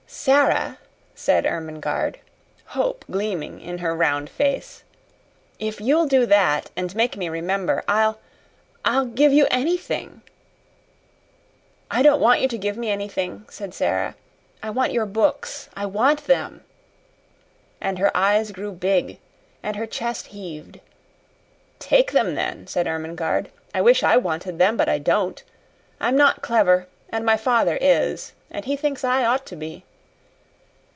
"Sara," said Ermengarde, hope gleaming in her round face, "if you'll do that, and make me remember, I'll I'll give you anything." "I don't want you to give me anything," said Sara. "I want your books I want them!" And her eyes grew big, and her chest heaved. "Take them, then," said Ermengarde. "I wish I wanted them but I don't. I'm not clever, and my father is, and he thinks I ought to be."